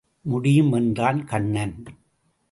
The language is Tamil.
முடியும் என்றான் கண்ணன்.